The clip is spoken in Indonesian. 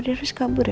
kenapa dia kabur